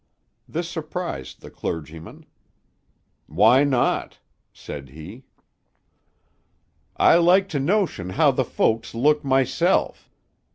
This surprised the clergyman. "Why not?" said he. "I like to notion how the folks look myself.